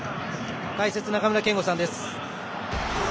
解説・中村憲剛さんです。